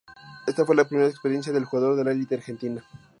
Ésta fue la primera experiencia del jugador en la elite argentina.